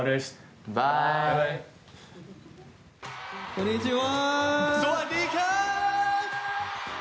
こんにちは！